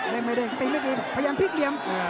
ไม่ได้ตีไม่ดีพยายามพลิกเหลี่ยม